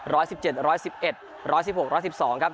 ร้อยสิบเจ็ดร้อยสิบเอ็ดร้อยสิบหกร้อยสิบสองครับ